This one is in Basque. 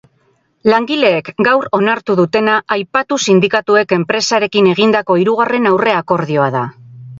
Langileek gaur onartu dutena aipatu sindikatuek enpresarekin egindako hirugarren aurre-akordioa da.